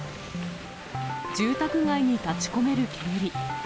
住宅街に立ちこめる煙。